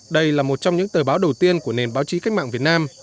đây là một trong những tờ báo đầu tiên của nền báo chí cách mạng việt nam